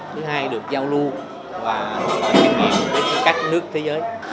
thứ hai là được giao lưu và kinh nghiệm đến các nước thế giới